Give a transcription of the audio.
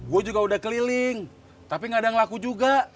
gue juga udah keliling tapi gak ada yang laku juga